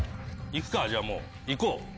行くかじゃもう行こう。